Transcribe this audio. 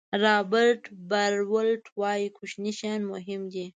رابرټ براولټ وایي کوچني شیان مهم وي.